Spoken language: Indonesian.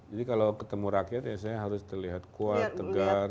jadi kalau ketemu rakyat saya harus terlihat kuat tegar